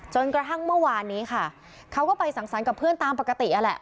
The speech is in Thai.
จนกระทั่งเมื่อวานนี้ค่ะเขาก็ไปสั่งสรรค์กับเพื่อนตามปกตินั่นแหละ